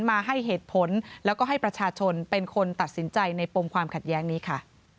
มาให้เหตุผลแล้วก็ให้ประชาชนเป็นคนตัดสินใจในปมความขัดแย้งนี้ค่ะ